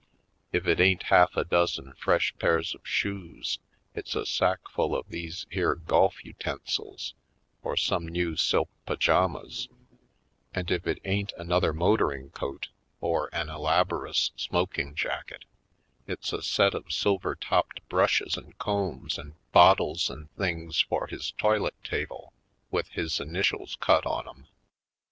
If it ain't half a dozen fresh pairs of shoes it's a sack full of these here golf utensils or some new silk pyjamas; and if it ain't another motoring coat or an elaborous Gold Coast 101 smoking jacket, it's a set of silver topped brushes and combs and bottles and things for his toilet table, with his initials cut on 'em.